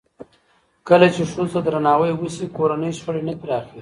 کله چې ښځو ته درناوی وشي، کورني شخړې نه پراخېږي.